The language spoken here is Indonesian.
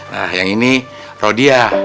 nah yang ini rodia